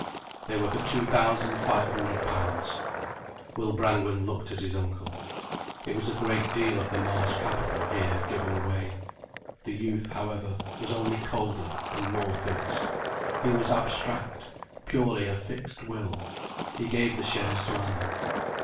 They were for two thousand five hundred pounds. Will Brangwen looked at his uncle. It was a great deal of the Marsh capital here given away. The youth, however, was only colder and more fixed. He was abstract, purely a fixed will. He gave the shares to Anna.